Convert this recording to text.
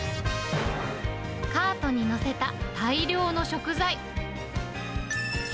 カートに載せた大量の食材。